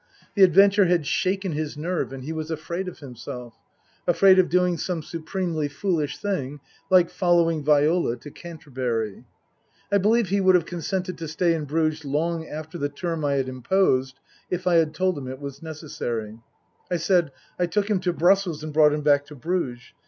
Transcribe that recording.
The adventure had shaken his nerve and he was afraid of himself, afraid of doing some supremely foolish thing like following Viola to Canterbury. I believe he would have consented to stay in Bruges long after the term I had imposed if I had told him it was necessary. I said I took him to Brussels and brought him back to Bruges.